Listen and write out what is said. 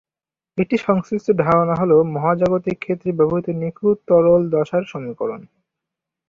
একটি সংশ্লিষ্ট ধারণা হলো, মহাজাগতিক ক্ষেত্রে ব্যবহৃত নিখুঁত তরল দশার সমীকরণ।